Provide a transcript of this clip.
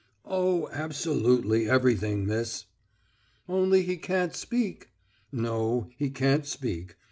"Oh, absolutely everything, miss." "Only he can't speak." "No, he can't speak.